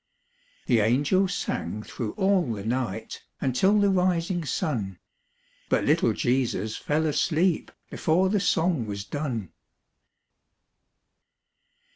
The angels sang thro' all the night Until the rising sun, But little Jesus fell asleep Before the song was done.